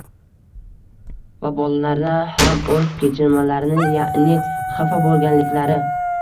va bolalarni ham o‘z kechinmalarini, yaʼni xafa bo‘lganliklari